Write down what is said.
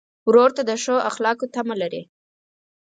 ورور ته د ښو اخلاقو تمه لرې.